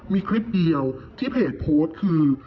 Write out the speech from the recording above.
มีคลิปเดียวที่เพจโพสต์คือ